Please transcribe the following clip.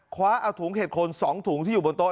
คว้าเอาถุงเห็ดโคน๒ถุงที่อยู่บนโต๊